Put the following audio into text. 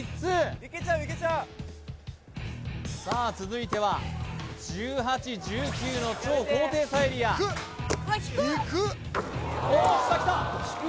さあ続いては１８１９の超高低差エリアうわ低っ！